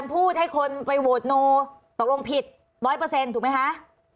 จะพูดให้คนไปโหวตค์นูการตรงตกลงผิด๑๐๐เปอร์เซ็นต์ถูกไหมคะ